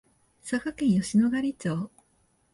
佐賀県吉野ヶ里町